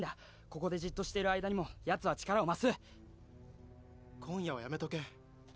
ここでじっとしている間にもヤツは力を増す今夜はやめとけ